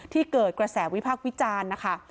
เกิดกระแสวิพักษ์วิจารณ์นะคะ